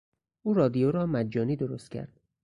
او رادیو را مجانی درست کرد.